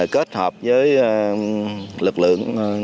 kết hợp với lực lượng